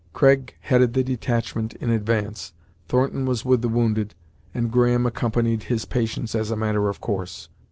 Craig headed the detachment in advance, Thornton was with the wounded, and Graham accompanied his patients as a matter of course.